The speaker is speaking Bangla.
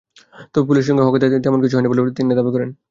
তবে পুলিশের সঙ্গে হকারদের তেমন কিছু হয়নি বলে তিনি দাবি করেন।